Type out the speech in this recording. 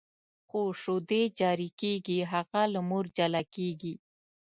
خو شیدې جاري کېږي، هغه له مور جلا کېږي.